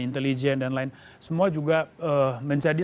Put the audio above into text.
intelijen dan lain semua juga menjadi